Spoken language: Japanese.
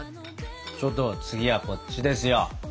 ちょっと次はこっちですよ。